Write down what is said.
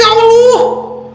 kayak orang mau pergi haji haji